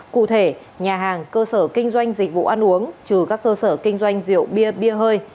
cụ thể nhà hàng cơ sở kinh doanh dịch vụ ăn uống trừ các cơ sở kinh doanh rượu bia bia hơi